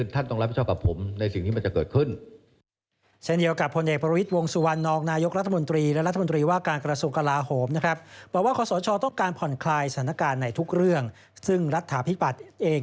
ถ้าไม่สงบก็เดี๋ยวกลับมาใหม่ก็ได้ไม่ได้ยาก